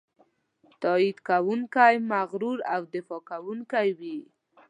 تاکید کوونکی، مغرور او دفاع کوونکی وي.